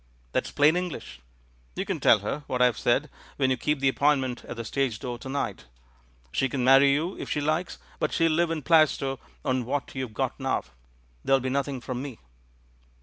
That's plain English. You can tell her what I've said when you keep the appointment at the stage door to night! She can marry you if she likes, but she'll live in Plaistow on what you've got now — there'll be nothing from me."